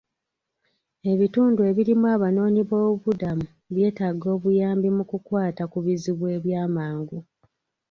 Ebitundu ebirimu Abanoonyi b'obubudamu byetaaga obuyambi mu kukwata ku bizibu ebyamangu.